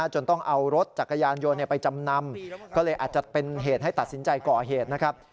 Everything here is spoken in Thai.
จนต้องเอารถจักรยานยนต์ไปจำนำก็เลยอาจจะเป็นเหตุให้ตัดสินใจก่อเหตุนะครับ